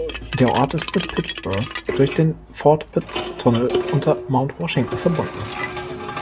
Der Ort ist mit Pittsburgh durch den Fort-Pitt-Tunnel unter Mount Washington verbunden.